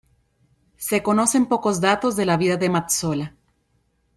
Se conocen pocos datos de la vida de Mazzola.